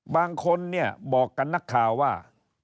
บางคนบอกกับนักข่าวว่า